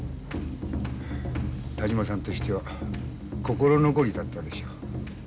田島さんとしては心残りだったでしょう。